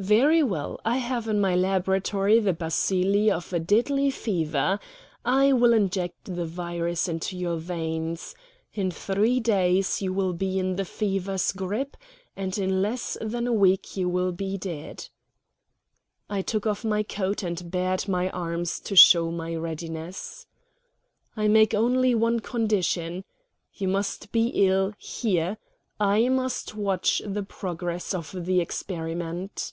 "Very well. I have in my laboratory the bacilli of a deadly fever. I will inject the virus into your veins. In three days you will be in the fever's grip, and in less than a week you will be dead." I took off my coat and bared my arms to show my readiness. "I make only one condition. You must be ill here; I must watch the progress of the experiment."